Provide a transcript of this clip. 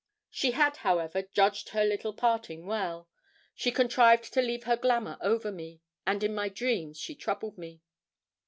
She had, however, judged her little parting well. She contrived to leave her glamour over me, and in my dreams she troubled me.